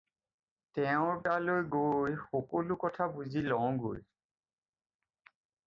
তেওঁৰ তালৈ গৈ সকলো কথা বুজি লওঁগৈ।